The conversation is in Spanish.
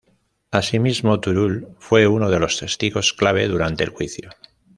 Asimismo, Turull, fue uno de los testigos clave durante el juicio.